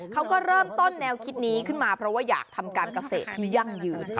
เขาก็เริ่มต้นแนวคิดนี้ขึ้นมาเพราะว่าอยากทำการเกษตรที่ยั่งยืน